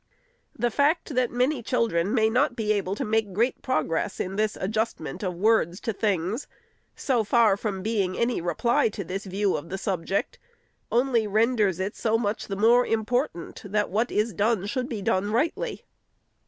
The fact, that many children may not be able to make great progress in this adjustment of words to things, so far from being any reply to this view of the subject, only renders it so much the more important that what is done should be done rightly.